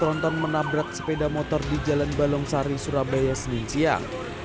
tronton menabrak sepeda motor di jalan balong sari surabaya senin siang